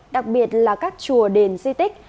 đặc biệt là các chùa đền di tích